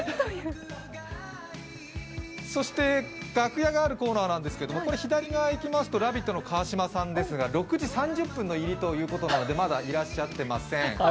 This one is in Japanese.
そして楽屋があるコーナーなんですけど左側に行きますと「ラヴィット！」の川島さんですが６時３０分の入りということなのでまだいらっしゃってません。